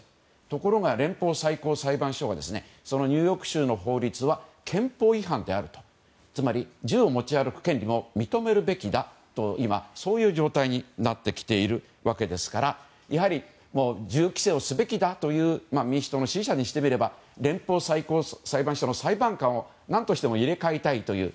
ところが、連邦最高裁判所がそのニューヨーク州の法律は憲法違反であると。つまり銃を持ち歩く権利も認めるべきだと今、そういう状態になってきているわけですからやはり、銃規制をすべきだという民主党の支持者にしてみれば連邦最高裁判所の裁判官を何としても入れ替えたいという。